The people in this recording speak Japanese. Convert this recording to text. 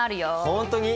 本当に？